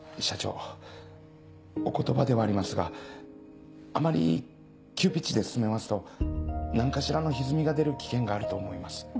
社長お言葉ではありますがあまり急ピッチで進めますと何かしらのひずみが出る危険があると思います。